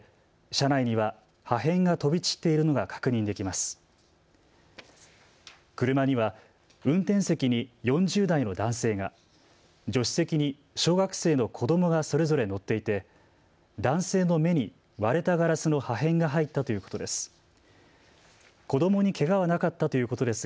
車には運転席に４０代の男性が、助手席に小学生の子どもがそれぞれ乗っていて、男性の目に割れたガラスの破片が入ったということです。